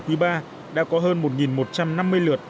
quý ba đã có hơn một một trăm năm mươi lượt